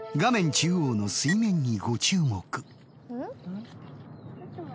中央の水面にご注目。